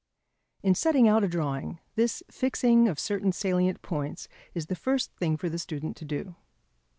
In setting out a drawing, this fixing of certain salient points is the first thing for the student to do.